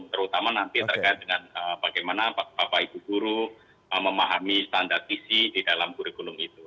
terutama nanti terkait dengan bagaimana bapak ibu guru memahami standar isi di dalam kurikulum itu